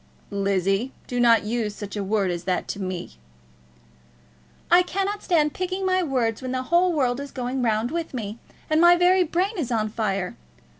"Lizzie, do not use such a word as that to me." "I cannot stand picking my words when the whole world is going round with me, and my very brain is on fire.